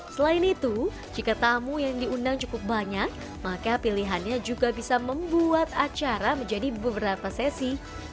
selain itu jika tamu yang diundang cukup banyak maka pilihannya juga bisa membuat acara menjadi beberapa sesi